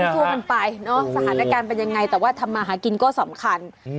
สู้กันไปเนอะสถานการณ์เป็นยังไงแต่ว่าทำมาหากินก็สำคัญ